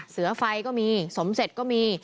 เสือไฟก็มีสมเสร็จก็มี